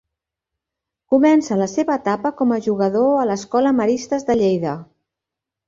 Començà la seva etapa com a jugador a l'escola Maristes de Lleida.